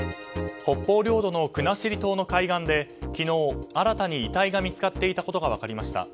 北方領土の国後島の海岸で昨日、新たに遺体が見つかっていたことが分かりました。